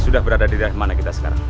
sudah berada di daerah mana kita sekarang